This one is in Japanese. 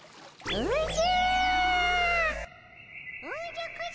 おじゃ？